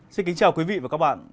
xin kính chào quý vị và các bạn